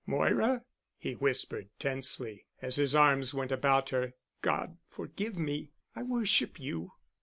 "Moira," he whispered, tensely, as his arms went about her. "God forgive me—I worship you."